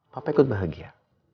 papa ikut bahagia